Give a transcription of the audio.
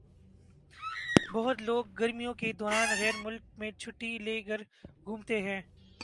بہت لوگ گرمیوں کے دوران غیر ملک میں چھٹّی لے کر گھومتے ہیں۔